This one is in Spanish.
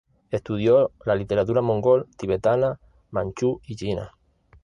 Estudió la literatura mongol, tibetana, manchú y china.